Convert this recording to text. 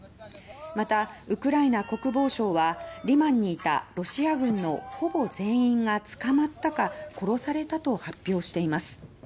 また、ウクライナ国防省はリマンにいたロシア軍のほぼ全員が捕まったか殺されたと発表しています。